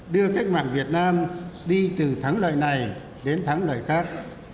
đưa cách mạng việt nam đi từ thắng lợi này đến thắng lợi khác